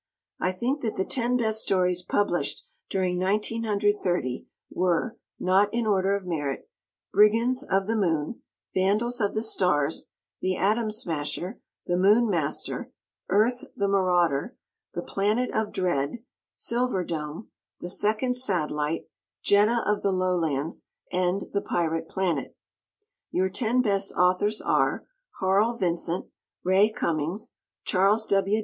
I think that the ten best stories published during 1930 were (not in order of merit): "Brigands of the Moon," "Vandals of the Stars," "The Atom Smasher," "The Moon Master," "Earth, the Marauder," "The Planet of Dread," "Silver Dome," "The Second Satellite," "Jetta of the Lowlands" and "The Pirate Planet." Your ten best authors are: Harl Vincent, Ray Cummings, Charles W.